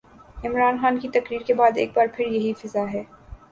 عمران خان کی تقریر کے بعد ایک بار پھر یہی فضا ہے۔